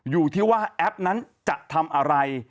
อยู่ที่ว่าแอปนั้นจะทำอะไร